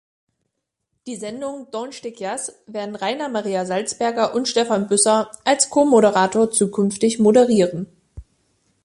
Die Sendung "Donnschtig-Jass" werden Rainer Maria Salzgeber und Stefan Büsser als Co-Moderator zukünftig moderieren.